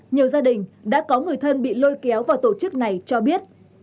nhiều gia đình đã có người thân bị lôi kéo vào tổ chức này cho biết